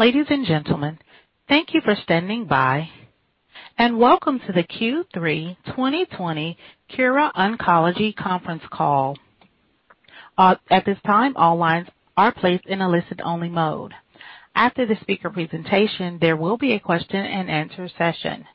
Ladies and gentlemen, thank you for standing by, and welcome to the Q3 2020 Kura Oncology conference call. At this time, all lines are placed in a listen only mode. After the speaker presentation, there will be a question and answer session.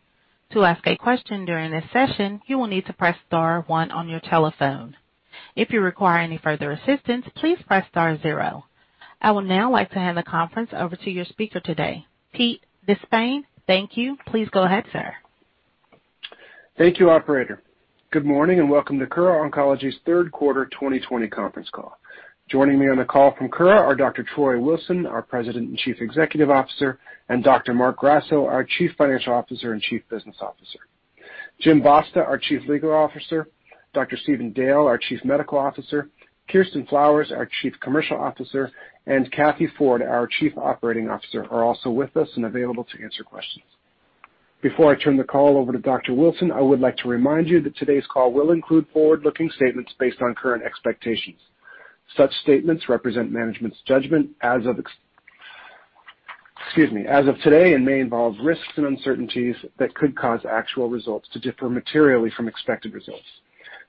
I would now like to hand the conference over to your speaker today, Pete De Spain. Thank you. Please go ahead, sir. Thank you, operator. Good morning, welcome to Kura Oncology's third quarter 2020 conference call. Joining me on the call from Kura are Dr. Troy Wilson, our President and Chief Executive Officer, and Dr. Marc Grasso, our Chief Financial Officer and Chief Business Officer. James Basta, our Chief Legal Officer, Dr. Stephen Dale, our Chief Medical Officer, Kirsten Flowers, our Chief Commercial Officer, and Kathleen Ford, our Chief Operating Officer, are also with us and available to answer questions. Before I turn the call over to Dr. Wilson, I would like to remind you that today's call will include forward-looking statements based on current expectations. Such statements represent management's judgment as of today and may involve risks and uncertainties that could cause actual results to differ materially from expected results.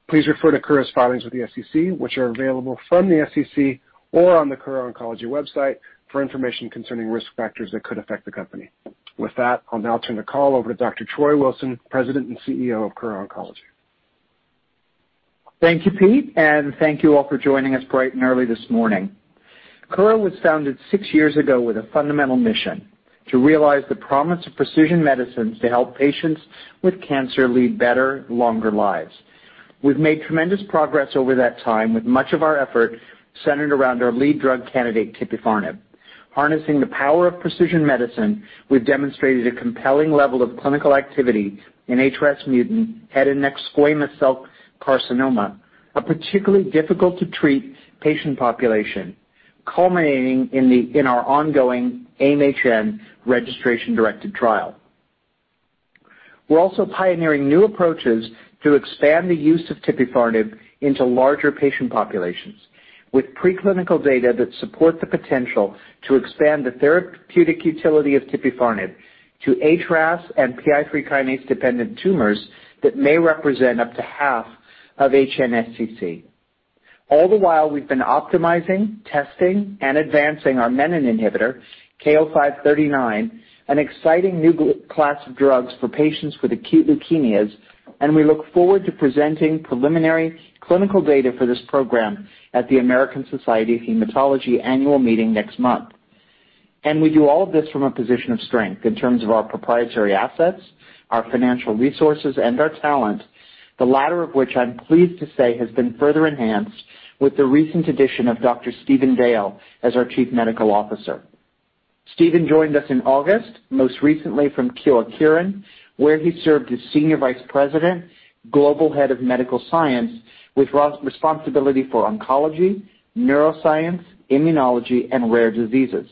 Please refer to Kura's filings with the SEC, which are available from the SEC or on the Kura Oncology website for information concerning risk factors that could affect the company. With that, I'll now turn the call over to Dr. Troy Wilson, President and Chief Executive Officer of Kura Oncology. Thank you, Pete, and thank you all for joining us bright and early this morning. Kura was founded six years ago with a fundamental mission to realize the promise of precision medicines to help patients with cancer lead better, longer lives. We've made tremendous progress over that time, with much of our effort centered around our lead drug candidate, tipifarnib. Harnessing the power of precision medicine, we've demonstrated a compelling level of clinical activity in HRAS-mutant head and neck squamous cell carcinoma, a particularly difficult to treat patient population, culminating in our ongoing AIM-HN registration-directed trial. We're also pioneering new approaches to expand the use of tipifarnib into larger patient populations with preclinical data that support the potential to expand the therapeutic utility of tipifarnib to HRAS and PI3 kinase-dependent tumors that may represent up to half of HNSCC. All the while, we've been optimizing, testing, and advancing our menin inhibitor, KO-539, an exciting new class of drugs for patients with acute leukemias. We look forward to presenting preliminary clinical data for this program at the American Society of Hematology Annual Meeting next month. We do all of this from a position of strength in terms of our proprietary assets, our financial resources, and our talent, the latter of which I'm pleased to say has been further enhanced with the recent addition of Dr. Stephen Dale as our Chief Medical Officer. Stephen joined us in August, most recently from Kyowa Kirin, where he served as senior vice president, global head of medical science, with responsibility for oncology, neuroscience, immunology, and rare diseases.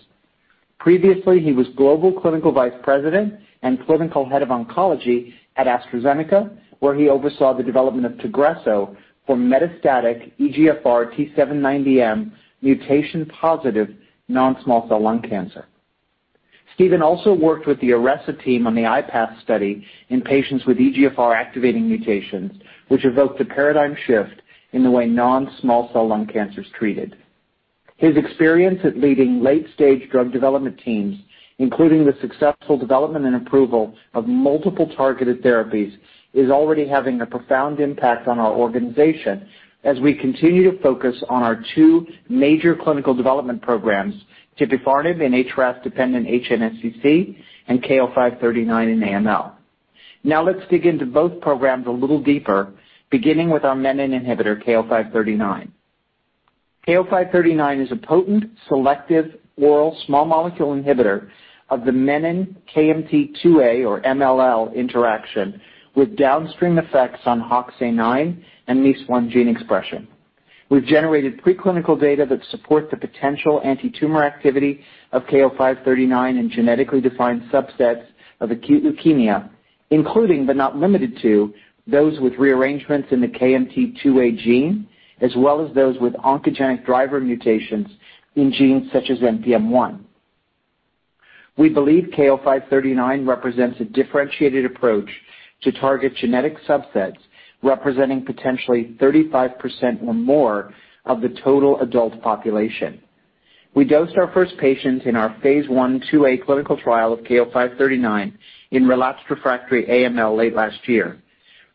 Previously, he was global clinical vice president and clinical head of oncology at AstraZeneca, where he oversaw the development of Tagrisso for metastatic EGFR T790M mutation-positive non-small cell lung cancer. Stephen also worked with the IPASS study in patients with EGFR-activating mutations, which evoked a paradigm shift in the way non-small cell lung cancer is treated. His experience at leading late-stage drug development teams, including the successful development and approval of multiple targeted therapies, is already having a profound impact on our organization as we continue to focus on our two major clinical development programs, tipifarnib in HRAS-dependent HNSCC and KO-539 in AML. Let's dig into both programs a little deeper, beginning with our menin inhibitor, KO-539. KO-539 is a potent, selective oral small molecule inhibitor of the menin KMT2A or MLL interaction with downstream effects on HOXA9 and MEIS1 gene expression. We've generated preclinical data that support the potential antitumor activity of KO-539 in genetically defined subsets of acute leukemia, including but not limited to those with rearrangements in the KMT2A gene, as well as those with oncogenic driver mutations in genes such as NPM1. We believe KO-539 represents a differentiated approach to target genetic subsets representing potentially 35% or more of the total adult population. We dosed our first patient in our phase I/II-A clinical trial of KO-539 in relapsed refractory AML late last year.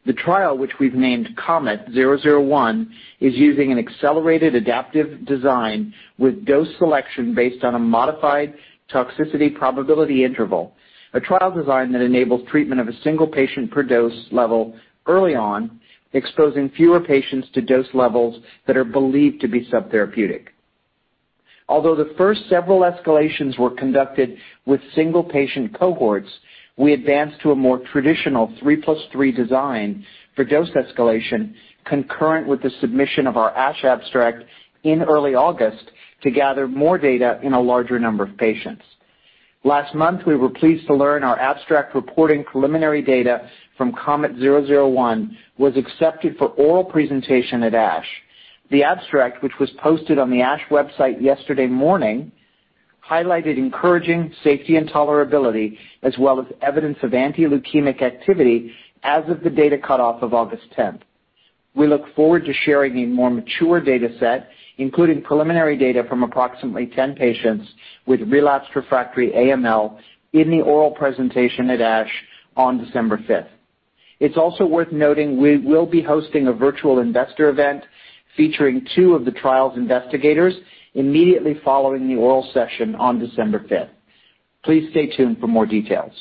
The trial, which we've named KOMET-001, is using an accelerated adaptive design with dose selection based on a modified toxicity probability interval, a trial design that enables treatment of a single patient per dose level early on, exposing fewer patients to dose levels that are believed to be subtherapeutic. Although the first several escalations were conducted with single-patient cohorts, we advanced to a more traditional three plus three design for dose escalation concurrent with the submission of our ASH abstract in early August to gather more data in a larger number of patients. Last month, we were pleased to learn our abstract reporting preliminary data from KOMET-001 was accepted for oral presentation at ASH. The abstract, which was posted on the ASH website yesterday morning, highlighted encouraging safety and tolerability as well as evidence of anti-leukemic activity as of the data cutoff of August 10th. We look forward to sharing a more mature data set, including preliminary data from approximately 10 patients with relapsed refractory AML in the oral presentation at ASH on December 5th. It's also worth noting, we will be hosting a virtual investor event featuring two of the trial's investigators immediately following the oral session on December 5th. Please stay tuned for more details.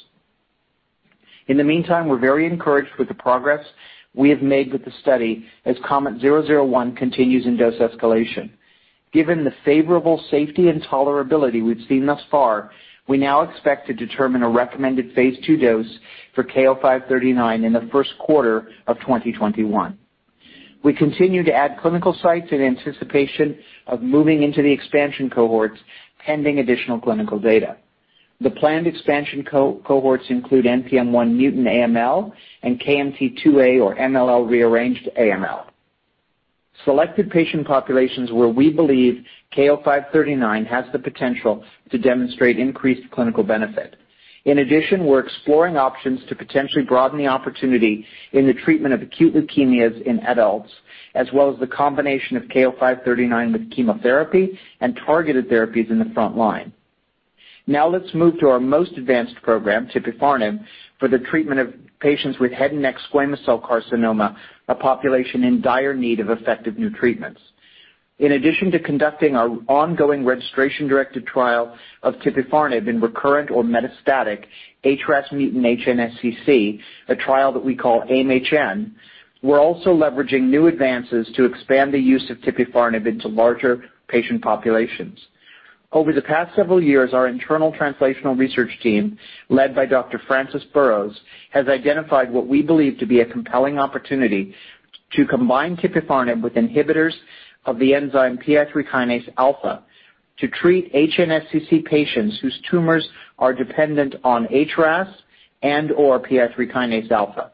In the meantime, we're very encouraged with the progress we have made with the study as KOMET-001 continues in dose escalation. Given the favorable safety and tolerability we've seen thus far, we now expect to determine a recommended phase II dose for KO-539 in the first quarter of 2021. We continue to add clinical sites in anticipation of moving into the expansion cohorts, pending additional clinical data. The planned expansion cohorts include NPM1 mutant AML and KMT2A or MLL rearranged AML. Selected patient populations where we believe KO-539 has the potential to demonstrate increased clinical benefit. We're exploring options to potentially broaden the opportunity in the treatment of acute leukemias in adults, as well as the combination of KO-539 with chemotherapy and targeted therapies in the front line. Let's move to our most advanced program, tipifarnib, for the treatment of patients with head and neck squamous cell carcinoma, a population in dire need of effective new treatments. Conducting our ongoing registration-directed trial of tipifarnib in recurrent or metastatic HRAS mutant HNSCC, a trial that we call AIM-HN, we're also leveraging new advances to expand the use of tipifarnib into larger patient populations. Over the past several years, our internal translational research team, led by Dr. Francis Burrows, has identified what we believe to be a compelling opportunity to combine tipifarnib with inhibitors of the enzyme PI3 kinase alpha to treat HNSCC patients whose tumors are dependent on HRAS and/or PI3 kinase alpha.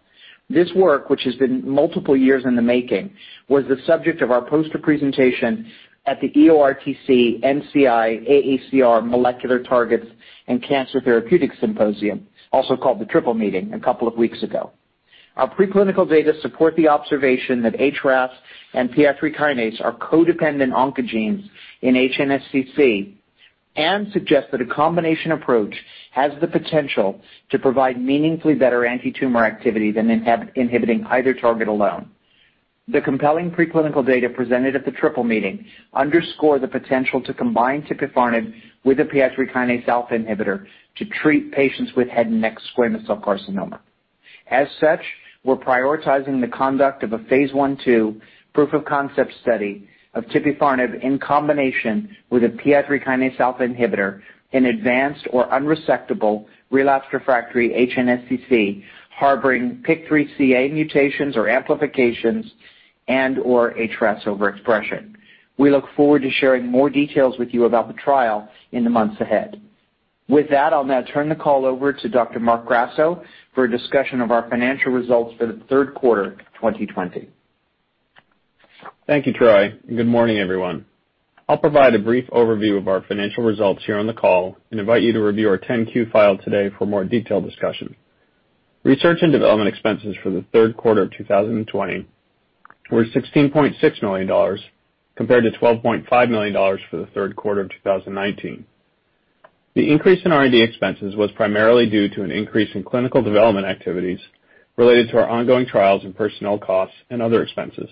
This work, which has been multiple years in the making, was the subject of our poster presentation at the EORTC-NCI-AACR Molecular Targets and Cancer Therapeutics Symposium, also called the Triple Meeting, a couple of weeks ago. Our preclinical data support the observation that HRAS and PI3 kinase are co-dependent oncogenes in HNSCC and suggest that a combination approach has the potential to provide meaningfully better antitumor activity than inhibiting either target alone. The compelling preclinical data presented at the Triple Meeting underscore the potential to combine tipifarnib with a PI3 kinase alpha inhibitor to treat patients with head and neck squamous cell carcinoma. As such, we're prioritizing the conduct of a phase I/II proof of concept study of tipifarnib in combination with a PI3 kinase alpha inhibitor in advanced or unresectable relapsed refractory HNSCC harboring PIK3CA mutations or amplifications and/or HRAS overexpression. We look forward to sharing more details with you about the trial in the months ahead. With that, I'll now turn the call over to Dr. Marc Grasso for a discussion of our financial results for the third quarter 2020. Thank you, Troy. Good morning, everyone. I'll provide a brief overview of our financial results here on the call and invite you to review our 10-Q filed today for more detailed discussion. Research and development expenses for the third quarter of 2020 were $16.6 million, compared to $12.5 million for the third quarter of 2019. The increase in R&D expenses was primarily due to an increase in clinical development activities related to our ongoing trials and personnel costs and other expenses.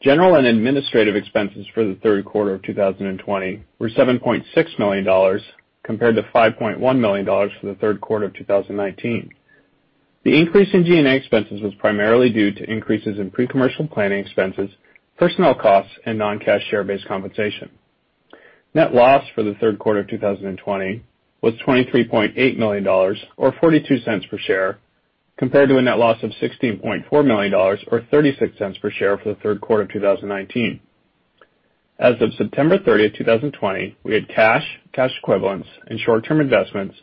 General and administrative expenses for the third quarter of 2020 were $7.6 million, compared to $5.1 million for the third quarter of 2019. The increase in G&A expenses was primarily due to increases in pre-commercial planning expenses, personnel costs, and non-cash share-based compensation. Net loss for the third quarter of 2020 was $23.8 million, or $0.42 per share, compared to a net loss of $16.4 million, or $0.36 per share for the third quarter of 2019. As of September 30th, 2020, we had cash equivalents, and short-term investments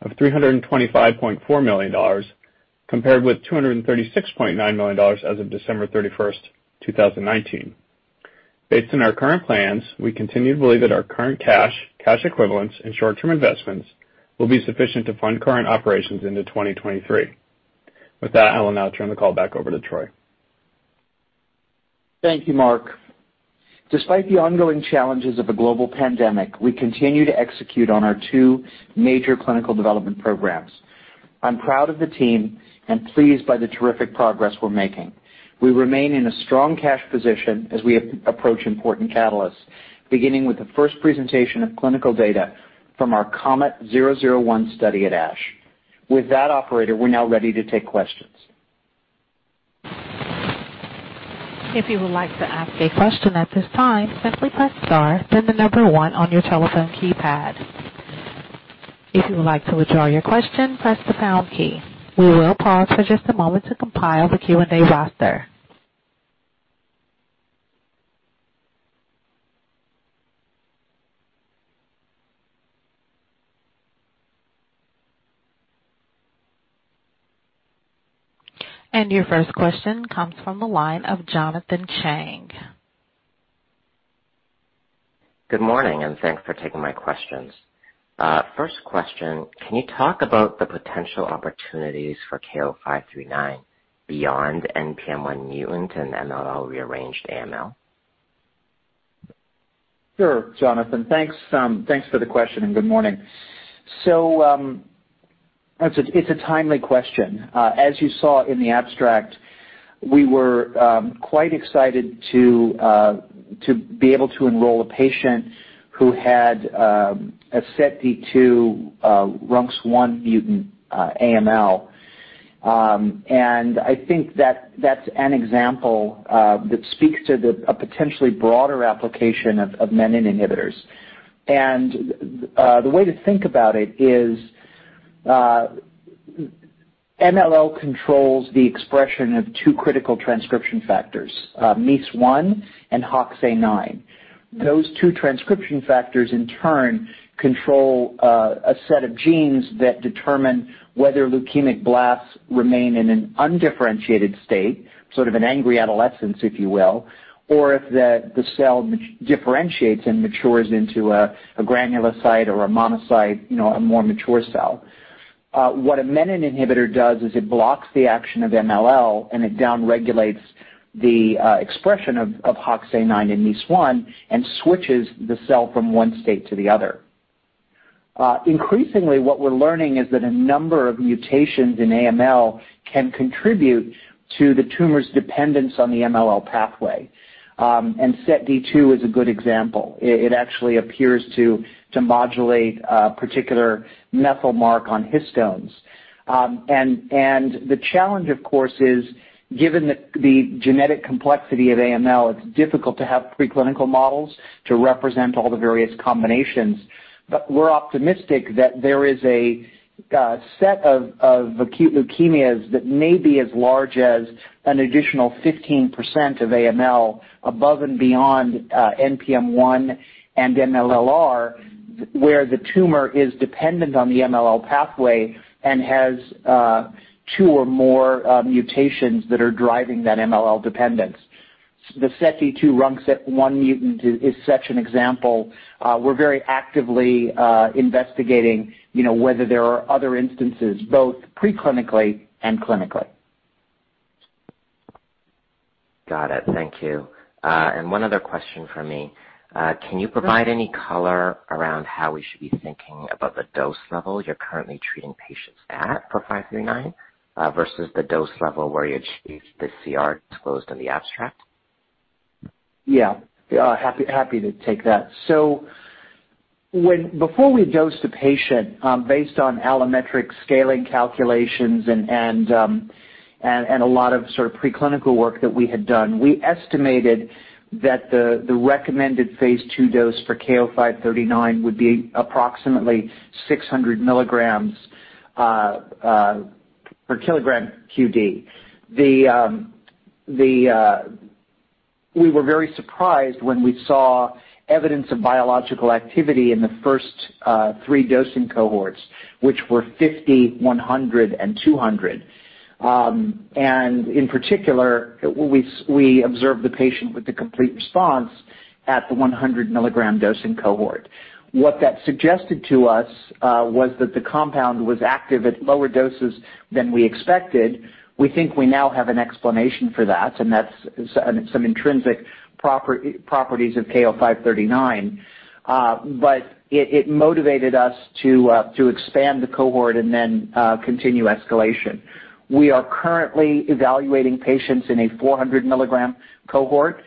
of $325.4 million, compared with $236.9 million as of December 31st, 2019. Based on our current plans, we continue to believe that our current cash equivalents, and short-term investments will be sufficient to fund current operations into 2023. With that, I will now turn the call back over to Troy. Thank you, Marc. Despite the ongoing challenges of the global pandemic, we continue to execute on our two major clinical development programs. I'm proud of the team and pleased by the terrific progress we're making. We remain in a strong cash position as we approach important catalysts, beginning with the first presentation of clinical data from our KOMET-001 study at ASH. With that, operator, we're now ready to take questions. We will pause for just a moment to compile the Q&A roster. Your first question comes from the line of Jonathan Chang. Good morning, thanks for taking my questions. First question, can you talk about the potential opportunities for KO-539 beyond NPM1 mutant and MLL-rearranged AML? Sure, Jonathan. Thanks for the question and good morning. It's a timely question. As you saw in the abstract, we were quite excited to be able to enroll a patient who had a SETD2/RUNX1 mutant AML. I think that's an example that speaks to the potentially broader application of menin inhibitors. The way to think about it is, MLL controls the expression of two critical transcription factors, MEIS1 and HOXA9. Those two transcription factors in turn control a set of genes that determine whether leukemic blasts remain in an undifferentiated state, sort of an angry adolescence, if you will, or if the cell differentiates and matures into a granulocyte or a monocyte, a more mature cell. What a menin inhibitor does is it blocks the action of MLL, and it down-regulates the expression of HOXA9 and MEIS1 and switches the cell from one state to the other. Increasingly, what we're learning is that a number of mutations in AML can contribute to the tumor's dependence on the MLL pathway. SETD2 is a good example. It actually appears to modulate a particular methyl mark on histones. The challenge, of course, is given the genetic complexity of AML, it's difficult to have preclinical models to represent all the various combinations. We're optimistic that there is a set of acute leukemias that may be as large as an additional 15% of AML above and beyond NPM1 and MLL-r, where the tumor is dependent on the MLL pathway and has two or more mutations that are driving that MLL dependence. The SETD2/RUNX1 mutant is such an example. We're very actively investigating whether there are other instances, both pre-clinically and clinically. Got it. Thank you. One other question from me. Can you provide any color around how we should be thinking about the dose level you're currently treating patients at for KO-539 versus the dose level where you achieved the CR disclosed in the abstract? Yeah. Happy to take that. Before we dosed a patient, based on allometric scaling calculations and a lot of preclinical work that we had done, we estimated that the recommended phase II dose for KO-539 would be approximately 600 mg/kg QD. We were very surprised when we saw evidence of biological activity in the first three dosing cohorts, which were 50, 100, and 200. In particular, we observed the patient with the complete response at the 100 milligram dosing cohort. What that suggested to us was that the compound was active at lower doses than we expected. We think we now have an explanation for that, and that's some intrinsic properties of KO-539. It motivated us to expand the cohort and continue escalation. We are currently evaluating patients in a 400 milligram cohort.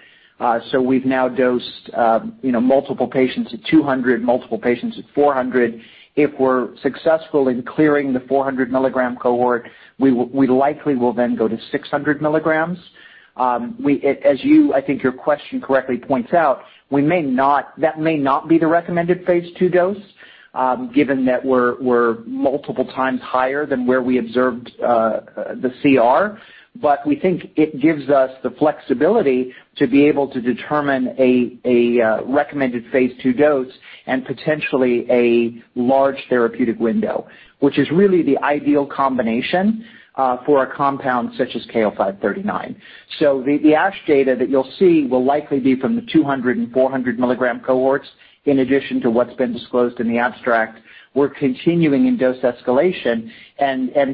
We've now dosed multiple patients at 200, multiple patients at 400. If we're successful in clearing the 400 milligram cohort, we likely will then go to 600 milligrams. As I think your question correctly points out, that may not be the recommended phase II dose, given that we're multiple times higher than where we observed the CR. We think it gives us the flexibility to be able to determine a recommended phase II dose and potentially a large therapeutic window, which is really the ideal combination for a compound such as KO-539. The ASH data that you'll see will likely be from the 200 and 400 milligram cohorts, in addition to what's been disclosed in the abstract. We're continuing in dose escalation.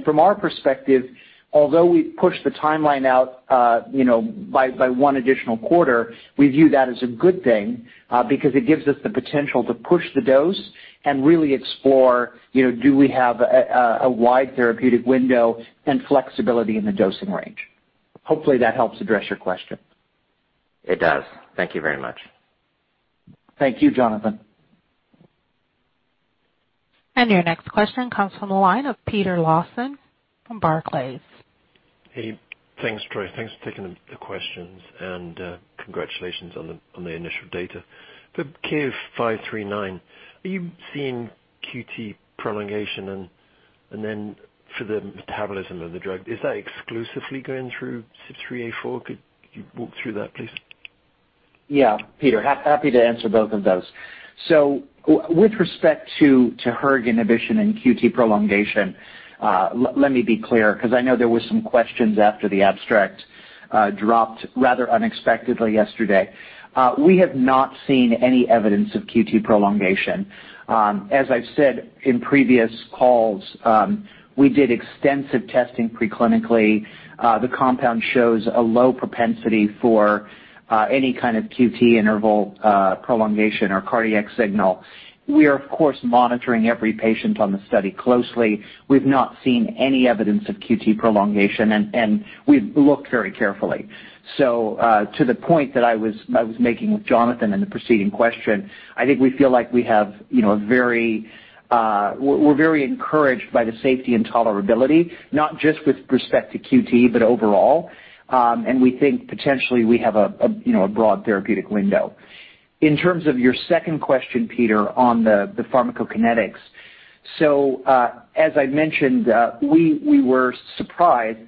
From our perspective, although we pushed the timeline out by one additional quarter, we view that as a good thing because it gives us the potential to push the dose and really explore, do we have a wide therapeutic window and flexibility in the dosing range. Hopefully, that helps address your question. It does. Thank you very much. Thank you, Jonathan. Your next question comes from the line of Peter Lawson from Barclays. Hey. Thanks, Troy. Thanks for taking the questions, and congratulations on the initial data. For KO-539, are you seeing QT prolongation? For the metabolism of the drug, is that exclusively going through CYP3A4? Could you walk through that, please? Peter, happy to answer both of those. With respect to hERG inhibition and QT prolongation, let me be clear, because I know there were some questions after the abstract dropped rather unexpectedly yesterday. We have not seen any evidence of QT prolongation. As I've said in previous calls, we did extensive testing pre-clinically. The compound shows a low propensity for any kind of QT interval prolongation or cardiac signal. We are, of course, monitoring every patient on the study closely. We've not seen any evidence of QT prolongation, and we've looked very carefully. To the point that I was making with Jonathan in the preceding question, I think we feel like we're very encouraged by the safety and tolerability, not just with respect to QT, but overall. We think potentially we have a broad therapeutic window. In terms of your second question, Peter, on the pharmacokinetics. As I mentioned, we were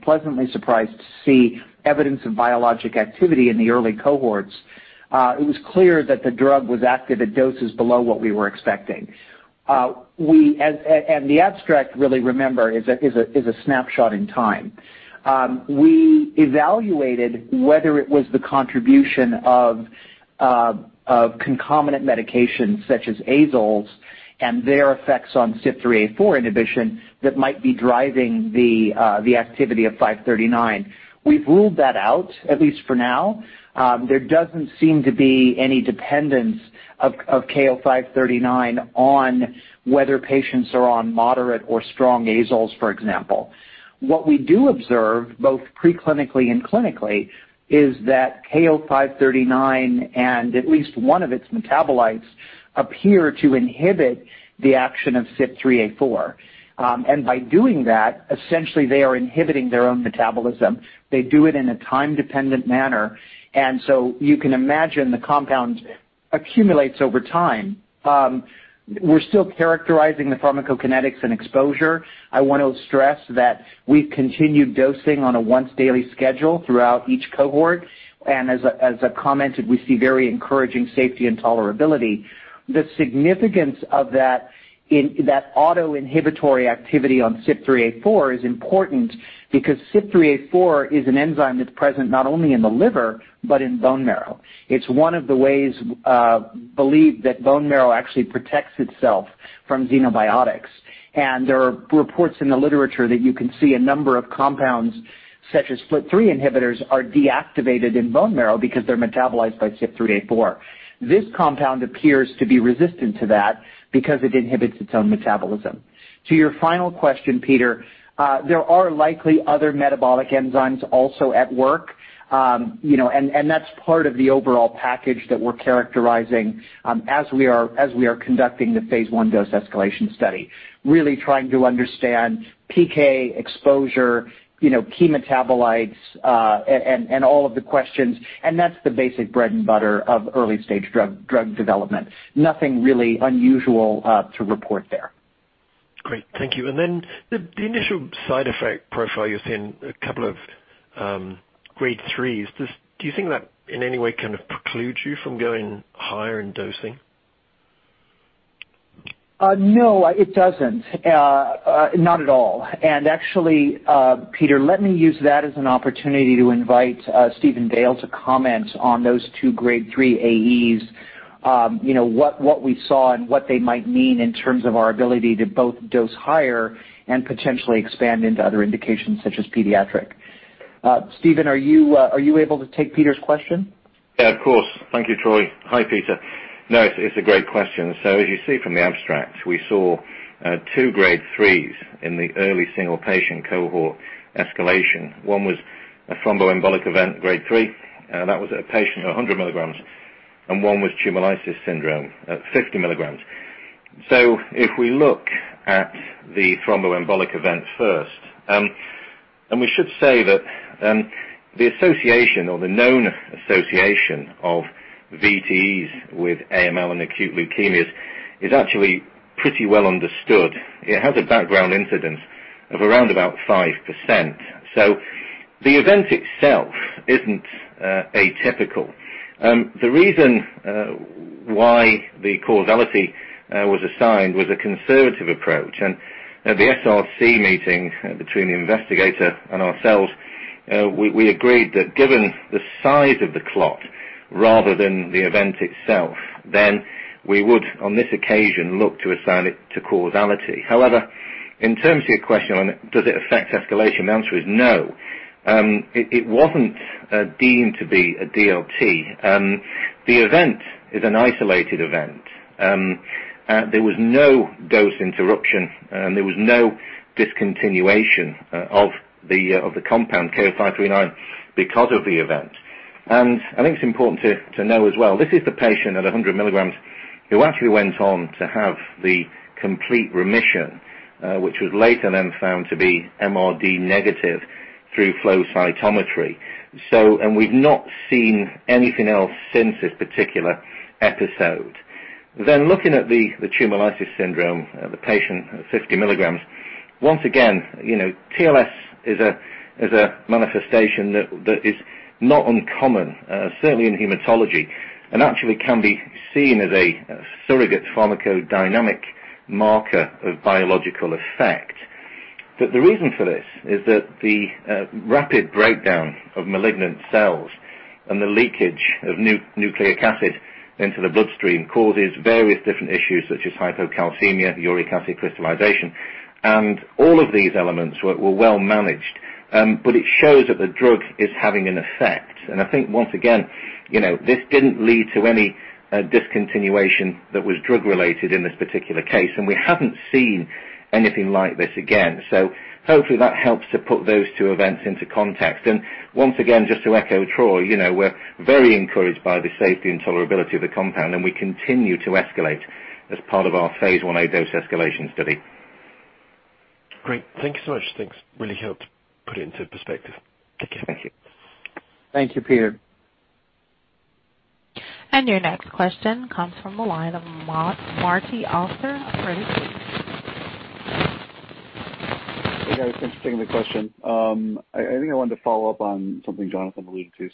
pleasantly surprised to see evidence of biologic activity in the early cohorts. It was clear that the drug was active at doses below what we were expecting. The abstract, really, remember, is a snapshot in time. We evaluated whether it was the contribution of concomitant medications such as azoles and their effects on CYP3A4 inhibition that might be driving the activity of 539. We've ruled that out, at least for now. There doesn't seem to be any dependence of KO-539 on whether patients are on moderate or strong azoles, for example. What we do observe, both pre-clinically and clinically, is that KO-539 and at least one of its metabolites appear to inhibit the action of CYP3A4. By doing that, essentially they are inhibiting their own metabolism. They do it in a time-dependent manner, and so you can imagine the compound accumulates over time. We're still characterizing the pharmacokinetics and exposure. I want to stress that we've continued dosing on a once-daily schedule throughout each cohort, and as I commented, we see very encouraging safety and tolerability. The significance of that auto-inhibitory activity on CYP3A4 is important because CYP3A4 is an enzyme that's present not only in the liver but in bone marrow. It's one of the ways believed that bone marrow actually protects itself from xenobiotics, and there are reports in the literature that you can see a number of compounds, such as FLT3 inhibitors, are deactivated in bone marrow because they're metabolized by CYP3A4. This compound appears to be resistant to that because it inhibits its own metabolism. To your final question, Peter, there are likely other metabolic enzymes also at work. That's part of the overall package that we're characterizing as we are conducting the phase I dose escalation study, really trying to understand PK exposure, key metabolites, and all of the questions. That's the basic bread and butter of early-stage drug development. Nothing really unusual to report there. Great. Thank you. The initial side effect profile, you're seeing a couple of grade 3s. Do you think that in any way kind of precludes you from going higher in dosing? No, it doesn't. Not at all. Actually, Peter, let me use that as an opportunity to invite Stephen Dale to comment on those two grade 3 AEs, what we saw and what they might mean in terms of our ability to both dose higher and potentially expand into other indications such as pediatric. Stephen, are you able to take Peter's question? Yeah. Of course. Thank you, Troy. Hi, Peter. It's a great question. As you see from the abstract, we saw two grade 3s in the early single-patient cohort escalation. One was a thromboembolic event, grade 3, that was at a patient at 100 mg, and one was tumor lysis syndrome at 50 mg. If we look at the thromboembolic event first, and we should say that the association or the known association of VTEs with AML and acute leukemias is actually pretty well understood. It has a background incidence of around about 5%. The event itself isn't atypical. The reason why the causality was assigned was a conservative approach, and at the SRC meeting between the investigator and ourselves, we agreed that given the size of the clot rather than the event itself, then we would, on this occasion, look to assign it to causality. In terms of your question on does it affect escalation, the answer is no. It wasn't deemed to be a DLT. The event is an isolated event. There was no dose interruption. There was no discontinuation of the compound, KO-539, because of the event. I think it's important to know as well, this is the patient at 100 mg who actually went on to have the complete remission, which was later then found to be MRD negative through flow cytometry. We've not seen anything else since this particular episode. Looking at the tumor lysis syndrome, the patient at 50 mg. Once again, TLS is a manifestation that is not uncommon, certainly in hematology, and actually can be seen as a surrogate pharmacodynamic marker of biological effect. The reason for this is that the rapid breakdown of malignant cells and the leakage of nucleic acid into the bloodstream causes various different issues such as hypocalcemia, uric acid crystallization, and all of these elements were well managed. It shows that the drug is having an effect. I think once again, this didn't lead to any discontinuation that was drug related in this particular case, and we haven't seen anything like this again. Hopefully that helps to put those two events into context. Once again, just to echo Troy, we're very encouraged by the safety and tolerability of the compound, and we continue to escalate as part of our phase I-A dose escalation study. Great. Thank you so much. Thanks. Really helped put it into perspective. Thank you. Thank you, Peter. Your next question comes from the line of Martin Auster of Credit Suisse. Hey, guys. Thanks for taking the question. I think I wanted to follow up on something Jonathan alluded to.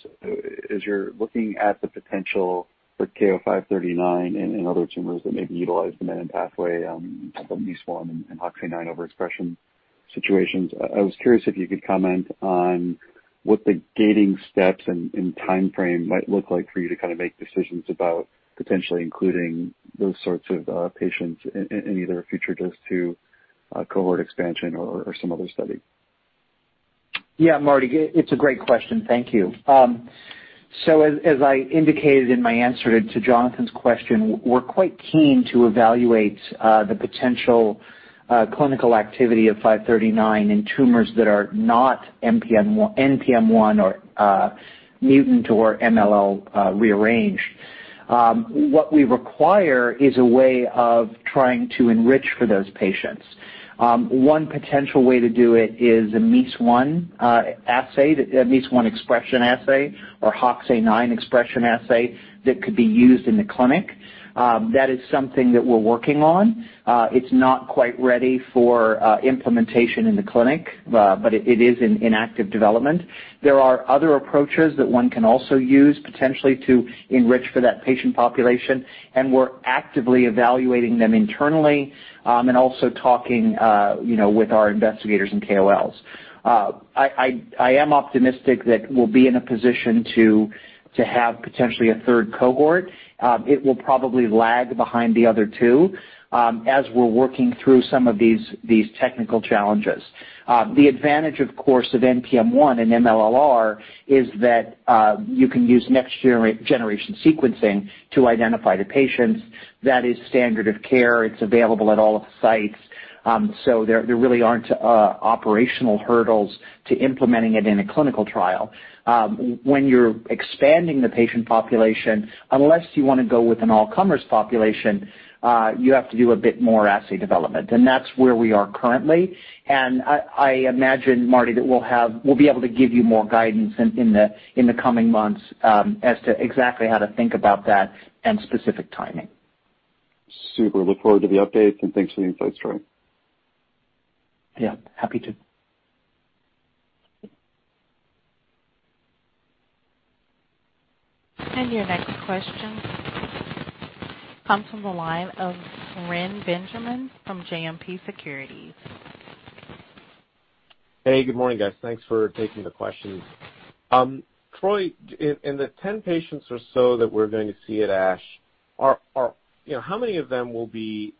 As you're looking at the potential for KO-539 in other tumors that maybe utilize the MLL pathway, like in MEIS1 and HOXA9 overexpression situations. I was curious if you could comment on what the gating steps and timeframe might look like for you to make decisions about potentially including those sorts of patients in either a future dose to cohort expansion or some other study. Yeah, Martin, it's a great question. Thank you. As I indicated in my answer to Jonathan's question, we're quite keen to evaluate the potential clinical activity of 539 in tumors that are not NPM1 or mutant or MLL rearranged. What we require is a way of trying to enrich for those patients. One potential way to do it is a MEIS1 expression assay or HOXA9 expression assay that could be used in the clinic. That is something that we're working on. It's not quite ready for implementation in the clinic, but it is in active development. There are other approaches that one can also use potentially to enrich for that patient population, and we're actively evaluating them internally and also talking with our investigators and KOLs. I am optimistic that we'll be in a position to have potentially a third cohort. It will probably lag behind the other two as we're working through some of these technical challenges. The advantage, of course, of NPM1 and MLL-r is that you can use next generation sequencing to identify the patients. That is standard of care. It's available at all of the sites. There really aren't operational hurdles to implementing it in a clinical trial. When you're expanding the patient population, unless you want to go with an all-comers population, you have to do a bit more assay development, and that's where we are currently. I imagine, Martin, that we'll be able to give you more guidance in the coming months as to exactly how to think about that and specific timing. Super. Look forward to the update and thanks for the insights, Troy. Yeah, happy to. Your next question comes from the line of Reni Benjamin from JMP Securities. Hey, good morning, guys. Thanks for taking the questions. Troy, in the 10 patients or so that we're going to see at ASH, how many of them will be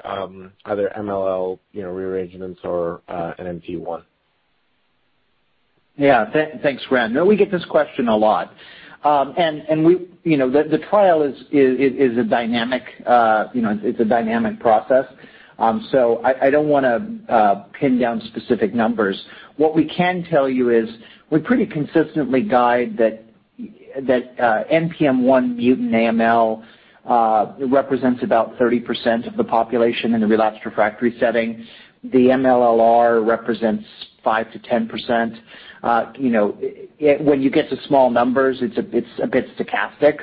either MLL rearrangements or NPM1? Thanks, Ren. We get this question a lot. The trial is a dynamic process. I don't want to pin down specific numbers. What we can tell you is we pretty consistently guide that NPM1 mutant AML represents about 30% of the population in the relapsed refractory setting. The MLL-r represents 5%-10%. When you get to small numbers, it's a bit stochastic.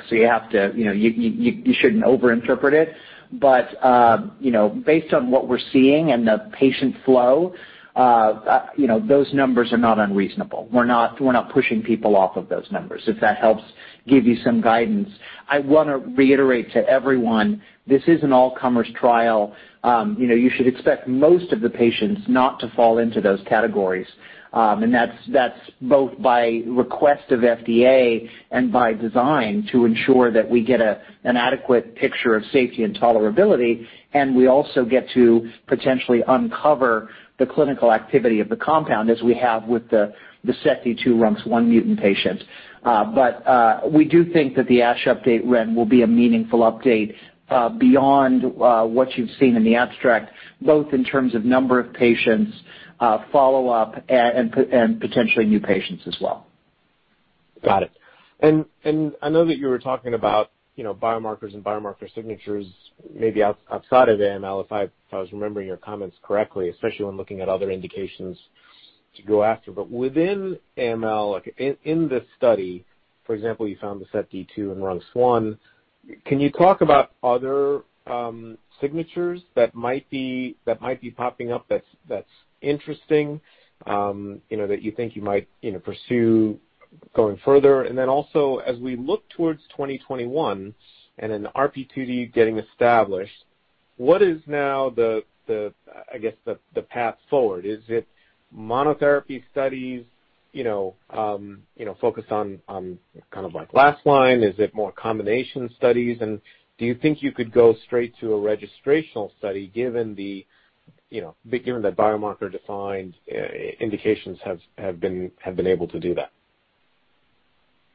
You shouldn't over interpret it. Based on what we're seeing and the patient flow, those numbers are not unreasonable. We're not pushing people off of those numbers, if that helps give you some guidance. I want to reiterate to everyone, this is an all-comers trial. You should expect most of the patients not to fall into those categories. That's both by request of FDA and by design to ensure that we get an adequate picture of safety and tolerability, and we also get to potentially uncover the clinical activity of the compound as we have with the SETD2 RUNX1 mutant patient. We do think that the ASH update, Ren, will be a meaningful update beyond what you've seen in the abstract, both in terms of number of patients, follow-up, and potentially new patients as well. Got it. I know that you were talking about biomarkers and biomarker signatures maybe outside of AML, if I was remembering your comments correctly, especially when looking at other indications to go after. Within AML, in this study, for example, you found the SETD2 and RUNX1. Can you talk about other signatures that might be popping up that's interesting, that you think you might pursue going further? Then also as we look towards 2021 and then the RP2D getting established, what is now the path forward? Is it monotherapy studies focused on kind of like last line? Is it more combination studies? Do you think you could go straight to a registrational study given that biomarker-defined indications have been able to do that?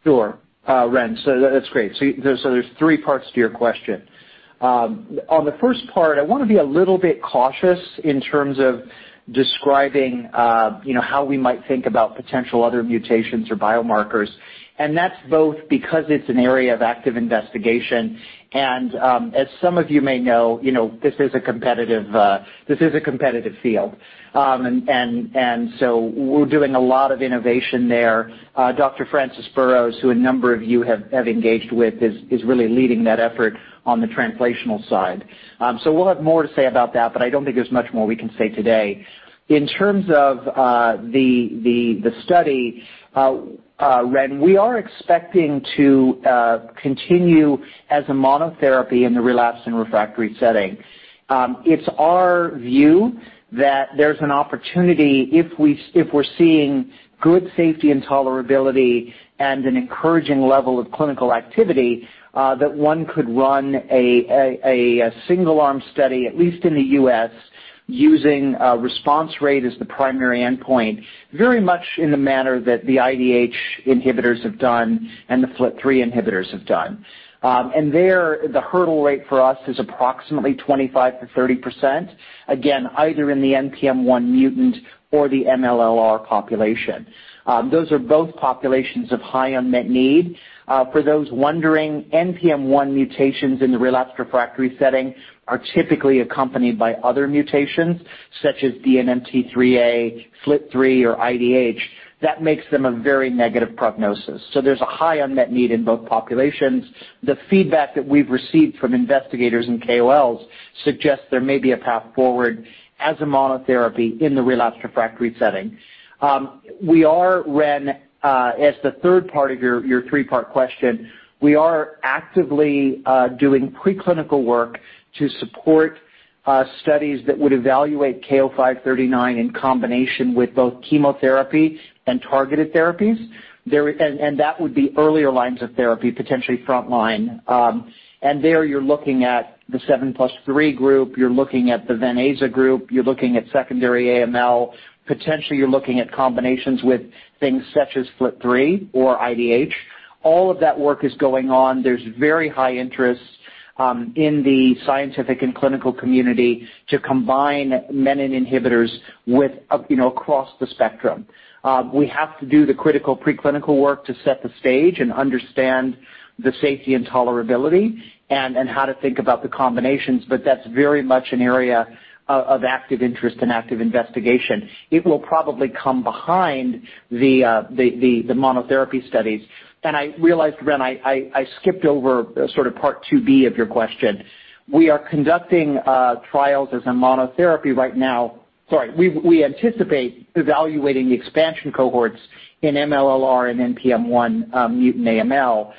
Sure. Ren, that's great. There's three parts to your question. On the first part, I want to be a little bit cautious in terms of describing how we might think about potential other mutations or biomarkers. That's both because it's an area of active investigation, and as some of you may know, this is a competitive field. We're doing a lot of innovation there. Dr. Francis Burrows, who a number of you have engaged with, is really leading that effort on the translational side. We'll have more to say about that, but I don't think there's much more we can say today. In terms of the study, Ren, we are expecting to continue as a monotherapy in the relapsed and refractory setting. It's our view that there's an opportunity if we're seeing good safety and tolerability and an encouraging level of clinical activity, that one could run a single-arm study, at least in the U.S., using response rate as the primary endpoint, very much in the manner that the IDH inhibitors have done and the FLT3 inhibitors have done. There, the hurdle rate for us is approximately 25%-30%, again, either in the NPM1 mutant or the MLL-r population. Those are both populations of high unmet need. For those wondering, NPM1 mutations in the relapsed refractory setting are typically accompanied by other mutations, such as DNMT3A, FLT3, or IDH. That makes them a very negative prognosis. There's a high unmet need in both populations. The feedback that we've received from investigators and KOLs suggests there may be a path forward as a monotherapy in the relapsed refractory setting. We are, Ren, as the three-part question, we are actively doing preclinical work to support studies that would evaluate KO-539 in combination with both chemotherapy and targeted therapies. That would be earlier lines of therapy, potentially frontline. There you're looking at the 7+3 group. You're looking at the venetoclax-aza group. You're looking at secondary AML. Potentially, you're looking at combinations with things such as FLT3 or IDH. All of that work is going on. There's very high interest in the scientific and clinical community to combine menin inhibitors across the spectrum. We have to do the critical preclinical work to set the stage and understand the safety and tolerability and how to think about the combinations, but that's very much an area of active interest and active investigation. It will probably come behind the monotherapy studies. I realized, Ren, I skipped over sort of part 2B of your question. We are conducting trials as a monotherapy right now. Sorry. We anticipate evaluating the expansion cohorts in MLL-r and NPM1 mutant AML.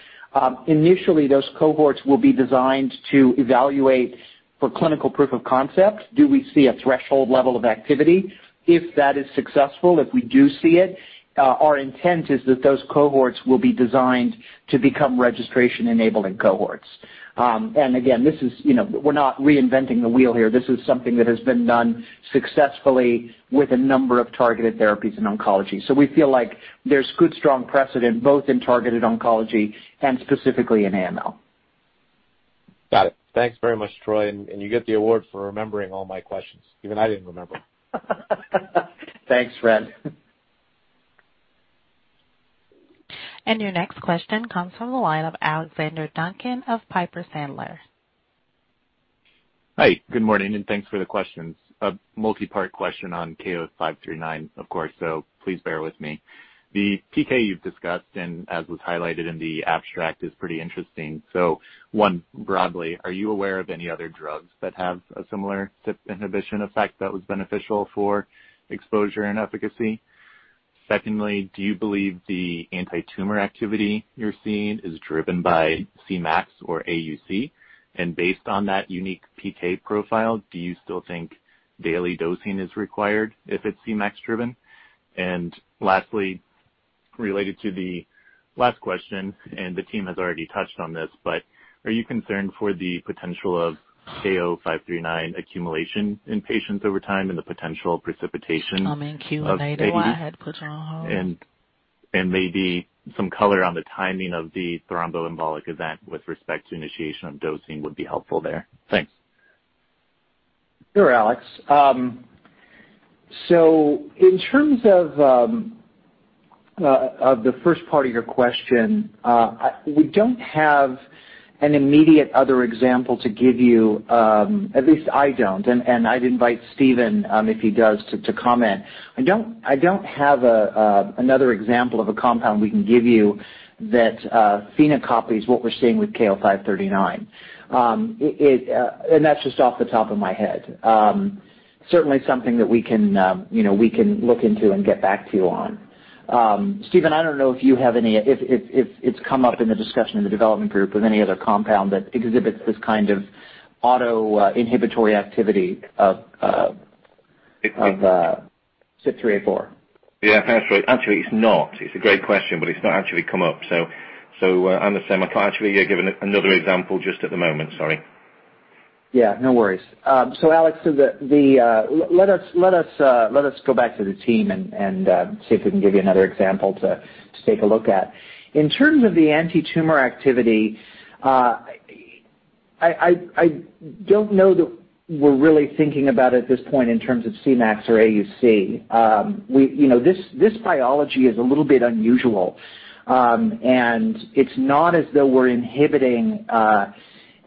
Initially, those cohorts will be designed to evaluate for clinical proof of concept. Do we see a threshold level of activity? If that is successful, if we do see it, our intent is that those cohorts will be designed to become registration-enabling cohorts. Again, we're not reinventing the wheel here. This is something that has been done successfully with a number of targeted therapies in oncology. We feel like there's good, strong precedent, both in targeted oncology and specifically in AML. Got it. Thanks very much, Troy, and you get the award for remembering all my questions. Even I didn't remember. Thanks, Ren. Your next question comes from the line of Alex Duncan of Piper Sandler. Hi, good morning, and thanks for the questions. A multi-part question on KO-539, of course, please bear with me. The PK you've discussed, and as was highlighted in the abstract, is pretty interesting. Secondly, do you believe the anti-tumor activity you're seeing is driven by Cmax or AUC? Based on that unique PK profile, do you still think daily dosing is required if it's Cmax-driven? Lastly, related to the last question, the team has already touched on this, are you concerned for the potential of KO-539 accumulation in patients over time and the potential precipitation of AE? Maybe some color on the timing of the thromboembolic event with respect to initiation of dosing would be helpful there. Thanks. Sure, Alex. In terms of the first part of your question, we don't have an immediate other example to give you, at least I don't. I'd invite Stephen, if he does, to comment. I don't have another example of a compound we can give you that phenocopies what we're seeing with KO-539. That's just off the top of my head. Certainly, something that we can look into and get back to you on. Stephen, I don't know if it's come up in the discussion in the development group of any other compound that exhibits this kind of auto-inhibitory activity of CYP3A4. Yeah. Actually, it's not. It's a great question, but it's not actually come up. I understand. I can't actually give another example just at the moment, sorry. Alex, let us go back to the team and see if we can give you another example to take a look at. In terms of the antitumor activity, I don't know that we're really thinking about it at this point in terms of Cmax or AUC. This biology is a little bit unusual, and it's not as though we're inhibiting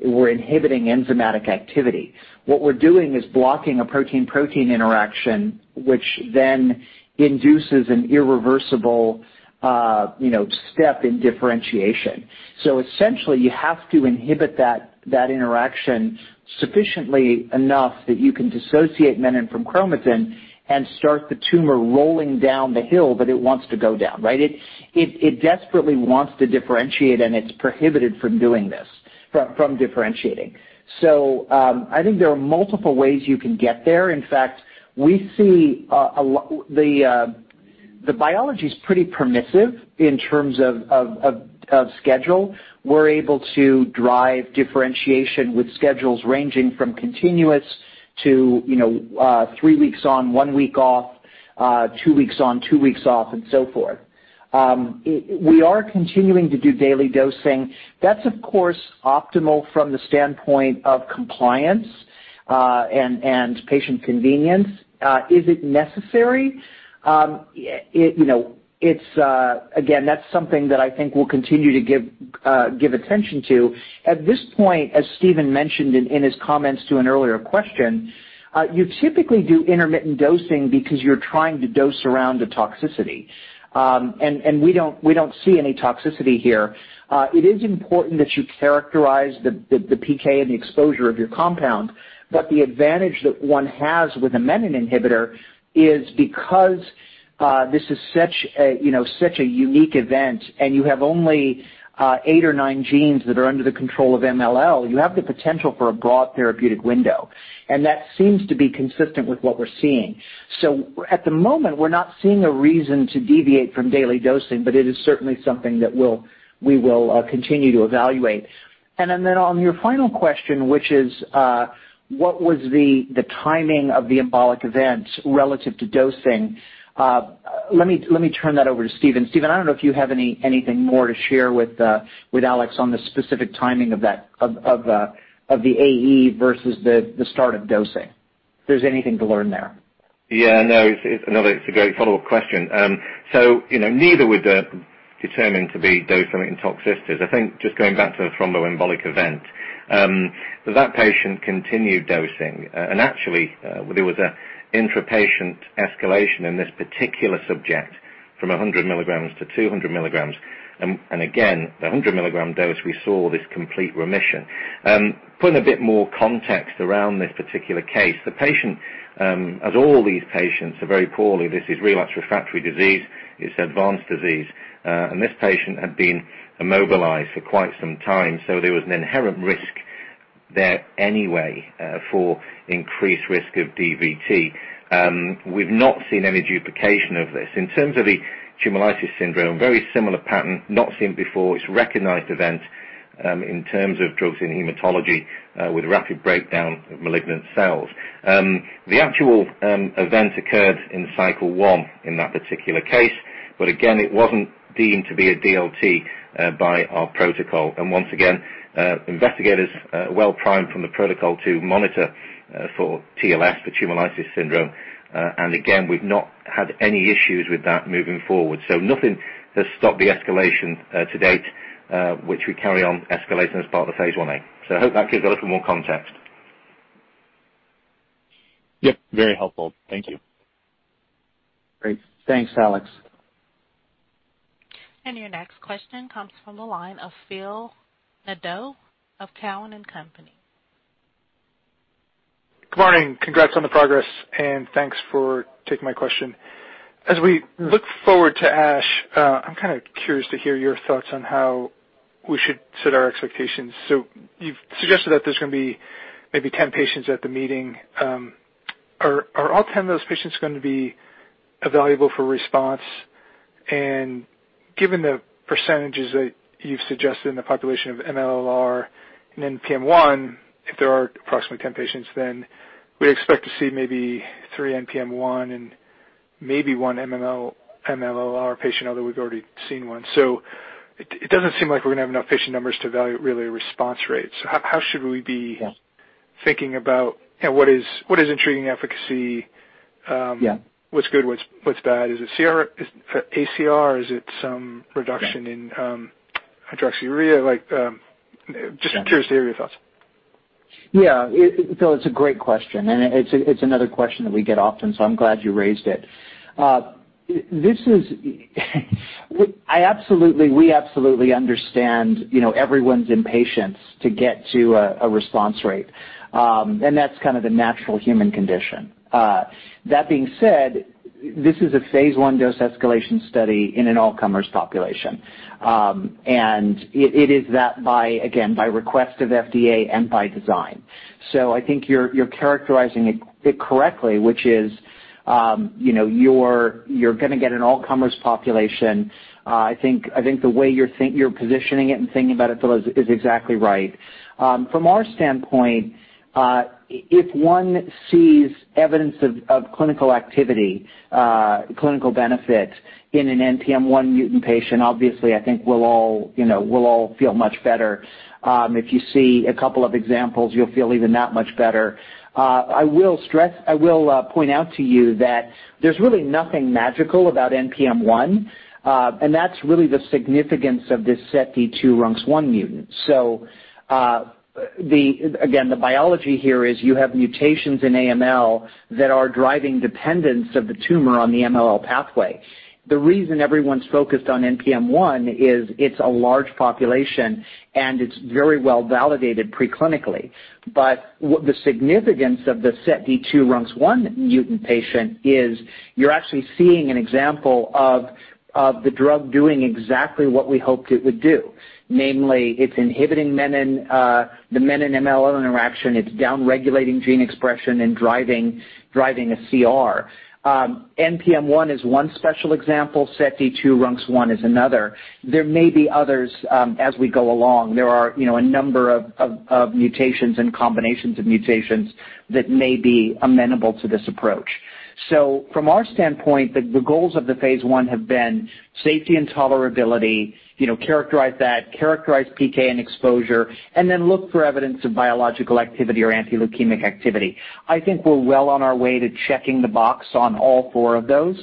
enzymatic activity. What we're doing is blocking a protein-protein interaction, which then induces an irreversible step in differentiation. Essentially, you have to inhibit that interaction sufficiently enough that you can dissociate menin from chromatin and start the tumor rolling down the hill that it wants to go down. Right? It desperately wants to differentiate, and it's prohibited from doing this, from differentiating. I think there are multiple ways you can get there. In fact, the biology's pretty permissive in terms of schedule. We're able to drive differentiation with schedules ranging from continuous to three weeks on, one week off, two weeks on, two weeks off, and so forth. We are continuing to do daily dosing. That's of course optimal from the standpoint of compliance and patient convenience. Is it necessary? Again, that's something that I think we'll continue to give attention to. At this point, as Stephen mentioned in his comments to an earlier question, you typically do intermittent dosing because you're trying to dose around the toxicity. We don't see any toxicity here. It is important that you characterize the PK and the exposure of your compound, but the advantage that one has with a menin inhibitor is because this is such a unique event, and you have only eight or nine genes that are under the control of MLL, you have the potential for a broad therapeutic window, and that seems to be consistent with what we're seeing. At the moment, we're not seeing a reason to deviate from daily dosing, but it is certainly something that we will continue to evaluate. Then on your final question, which is what was the timing of the embolic event relative to dosing, let me turn that over to Stephen. Stephen, I don't know if you have anything more to share with Alex on the specific timing of the AE versus the start of dosing, if there's anything to learn there. Yeah, no. It's a great follow-up question. Neither were determined to be dose-limiting toxicities. I think just going back to the thromboembolic event, that patient continued dosing, and actually, there was an intra-patient escalation in this particular subject from 100 mg to 200 milligrams. Again, the 100 mg dose, we saw this complete remission. Putting a bit more context around this particular case, the patient, as all these patients, are very poorly. This is relapsed refractory disease. It's advanced disease. This patient had been immobilized for quite some time, so there was an inherent risk there anyway for increased risk of DVT. We've not seen any duplication of this. In terms of the tumor lysis syndrome, very similar pattern, not seen before. It's a recognized event in terms of drugs in hematology with rapid breakdown of malignant cells. The actual event occurred in cycle one in that particular case, but again, it wasn't deemed to be a DLT by our protocol. Once again, investigators well primed from the protocol to monitor for TLS, for tumor lysis syndrome. Again, we've not had any issues with that moving forward. Nothing has stopped the escalation to date, which we carry on escalation as part of phase I-A. I hope that gives a little more context. Yep, very helpful. Thank you. Great. Thanks, Alex. Your next question comes from the line of Phil Nadeau of Cowen and Company. Good morning. Congrats on the progress, thanks for taking my question. As we look forward to ASH, I'm kind of curious to hear your thoughts on how we should set our expectations. You've suggested that there's going to be maybe 10 patients at the meeting. Are all 10 of those patients going to be evaluable for response? Given the percentages that you've suggested in the population of MLL-r and NPM1, if there are approximately 10 patients, we expect to see maybe three NPM1 and maybe one MLL-r patient, although we've already seen one. It doesn't seem like we're going to have enough patient numbers to evaluate, really, response rates. How should we thinking about what is intriguing efficacy? What's good, what's bad? Is it ACR? Is it some reduction? In hydroxyurea? Just curious to hear your thoughts. Yeah, Phil, it's a great question, and it's another question that we get often, so I'm glad you raised it. We absolutely understand everyone's impatience to get to a response rate, and that's the natural human condition. That being said, this is a phase I dose escalation study in an all-comers population, and it is that, again, by request of FDA and by design. I think you're characterizing it correctly, which is you're going to get an all-comers population. I think the way you're positioning it and thinking about it, Phil, is exactly right. From our standpoint, if one sees evidence of clinical activity, clinical benefit in an NPM1 mutant patient, obviously, I think we'll all feel much better. If you see a couple of examples, you'll feel even that much better. I will point out to you that there's really nothing magical about NPM1, and that's really the significance of this SETD2/RUNX1 mutant. Again, the biology here is you have mutations in AML that are driving dependence of the tumor on the MLL pathway. The reason everyone's focused on NPM1 is it's a large population, and it's very well-validated pre-clinically. The significance of the SETD2/RUNX1 mutant patient is you're actually seeing an example of the drug doing exactly what we hoped it would do. Namely, it's inhibiting the menin-MLL interaction, it's down-regulating gene expression, and driving a CR. NPM1 is one special example, SETD2/RUNX1 is another. There may be others as we go along. There are a number of mutations and combinations of mutations that may be amenable to this approach. From our standpoint, the goals of the phase I have been safety and tolerability, characterize that, characterize PK and exposure, and then look for evidence of biological activity or anti-leukemic activity. I think we're well on our way to checking the box on all four of those.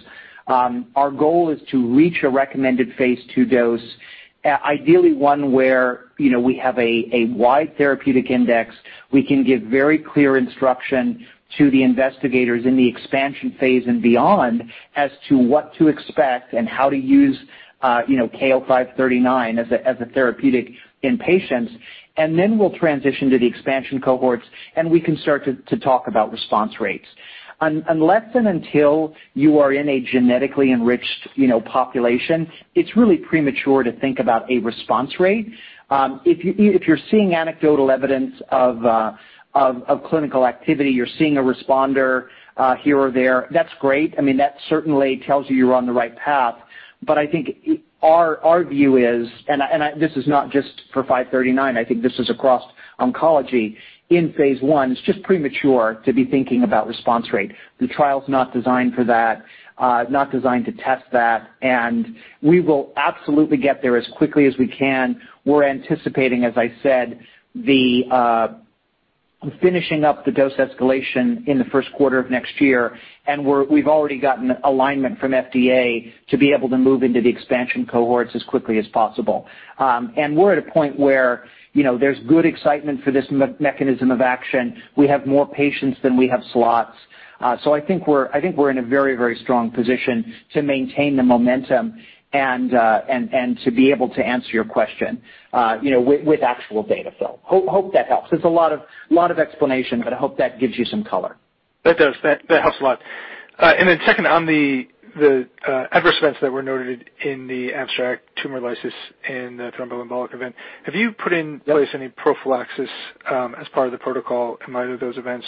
Our goal is to reach a recommended phase II dose, ideally one where we have a wide therapeutic index, we can give very clear instruction to the investigators in the expansion phase and beyond as to what to expect and how to use KO-539 as a therapeutic in patients. We'll transition to the expansion cohorts, and we can start to talk about response rates. Unless and until you are in a genetically enriched population, it's really premature to think about a response rate. If you're seeing anecdotal evidence of clinical activity, you're seeing a responder here or there, that's great. That certainly tells you you're on the right path. I think our view is, and this is not just for 539, I think this is across oncology, in phase I, it's just premature to be thinking about response rate. The trial's not designed for that, not designed to test that, and we will absolutely get there as quickly as we can. We're anticipating, as I said, the finishing up the dose escalation in the first quarter of next year, and we've already gotten alignment from FDA to be able to move into the expansion cohorts as quickly as possible. We're at a point where there's good excitement for this mechanism of action. We have more patients than we have slots. I think we're in a very strong position to maintain the momentum and to be able to answer your question with actual data, Phil. Hope that helps. It's a lot of explanation, but I hope that gives you some color. That does. That helps a lot. Second, on the adverse events that were noted in the abstract tumor lysis and thromboembolic event, have you put in place any prophylaxis as part of the protocol in either of those events?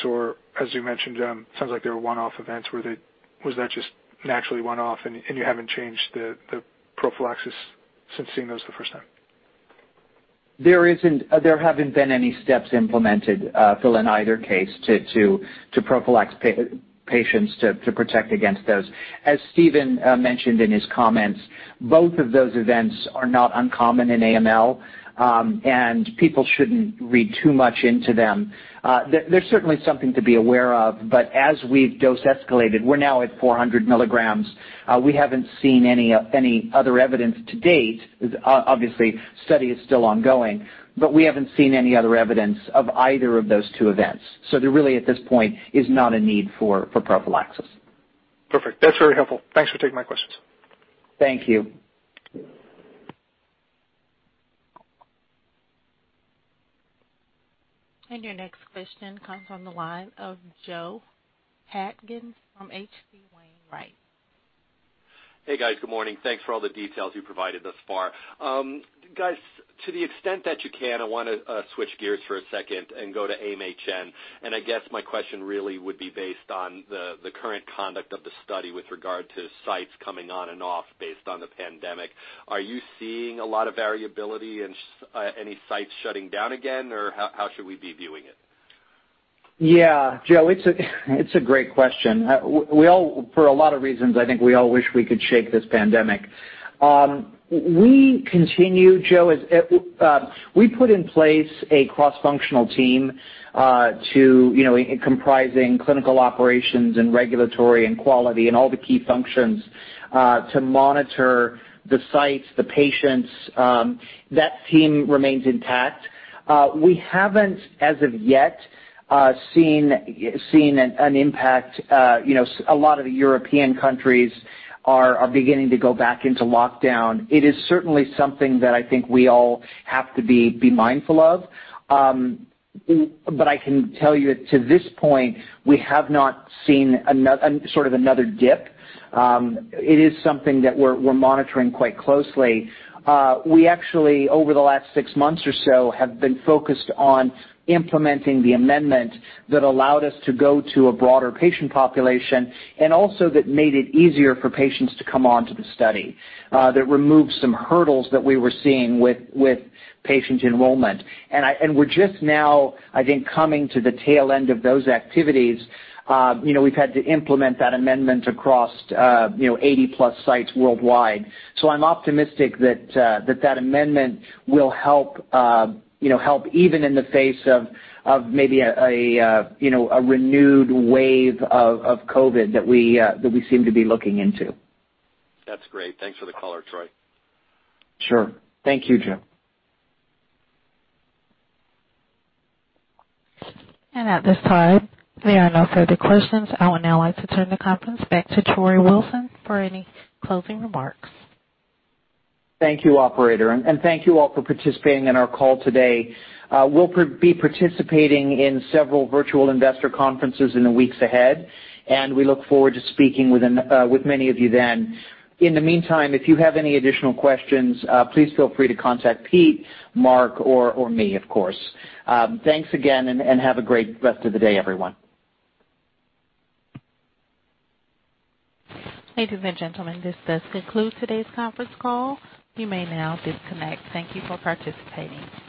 As you mentioned, sounds like they were one-off events. Was that just naturally one-off and you haven't changed the prophylaxis since seeing those the first time? There haven't been any steps implemented, Phil, in either case, to prophylax patients to protect against those. As Stephen mentioned in his comments, both of those events are not uncommon in AML, and people shouldn't read too much into them. They're certainly something to be aware of, but as we've dose escalated, we're now at 400 milligrams, we haven't seen any other evidence to date, obviously, study is still ongoing, but we haven't seen any other evidence of either of those two events. There really, at this point, is not a need for prophylaxis. Perfect. That's very helpful. Thanks for taking my questions. Thank you. Your next question comes on the line of Joe Pantginis from H.C. Wainwright. Hey, guys. Good morning. Thanks for all the details you provided thus far. Guys, to the extent that you can, I want to switch gears for a second and go to AIM-HN. I guess my question really would be based on the current conduct of the study with regard to sites coming on and off based on the pandemic. Are you seeing a lot of variability in any sites shutting down again, or how should we be viewing it? Yeah, Joe, it's a great question. For a lot of reasons, I think we all wish we could shake this pandemic. We continue, Joe, we put in place a cross-functional team comprising clinical operations and regulatory and quality and all the key functions to monitor the sites, the patients. That team remains intact. We haven't, as of yet, seen an impact. A lot of the European countries are beginning to go back into lockdown. It is certainly something that I think we all have to be mindful of. I can tell you to this point, we have not seen another dip. It is something that we're monitoring quite closely. We actually, over the last six months or so, have been focused on implementing the amendment that allowed us to go to a broader patient population, and also that made it easier for patients to come onto the study, that removed some hurdles that we were seeing with patient enrollment. We're just now, I think, coming to the tail end of those activities. We've had to implement that amendment across 80+ sites worldwide. I'm optimistic that that amendment will help even in the face of maybe a renewed wave of COVID that we seem to be looking into. That's great. Thanks for the color, Troy. Sure. Thank you, Joe. At this time, there are no further questions. I would now like to turn the conference back to Troy Wilson for any closing remarks. Thank you, operator. Thank you all for participating in our call today. We'll be participating in several virtual investor conferences in the weeks ahead, and we look forward to speaking with many of you then. In the meantime, if you have any additional questions, please feel free to contact Pete, Marc, or me, of course. Thanks again, and have a great rest of the day, everyone. Ladies and gentlemen, this does conclude today's conference call. You may now disconnect. Thank you for participating.